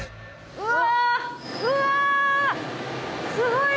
うわ！